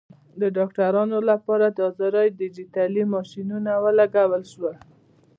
د ډاکټرانو لپاره د حاضرۍ ډیجیټلي ماشینونه ولګول شول.